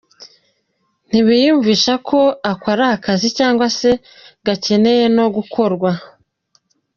Ntibiyumvisha ko ako ari akazi cyangwa se gakeneye no gukorwa.